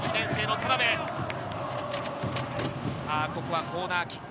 ここはコーナーキック。